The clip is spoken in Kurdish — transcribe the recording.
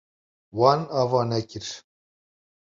Wan ava nekir.